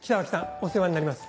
お世話になります